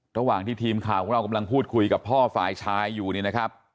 ระหว่างที่ทีมข่าวของเรากำลังพูดคุยกับพ่อฝ่ายชายอยู่เนี่ยนะครับ